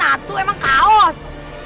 hantu emang kaos